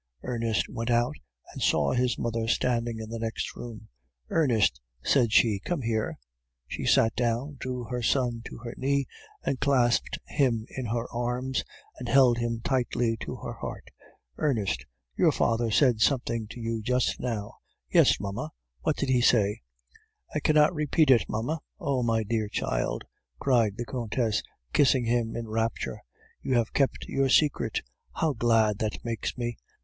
"Ernest went out and saw his mother standing in the next room. "'Ernest,' said she, 'come here.' "She sat down, drew her son to her knees, and clasped him in her arms, and held him tightly to her heart. "'Ernest, your father said something to you just now.' "'Yes, mamma.' "'What did he say?' "'I cannot repeat it, mamma.' "'Oh, my dear child!' cried the Countess, kissing him in rapture. 'You have kept your secret; how glad that makes me!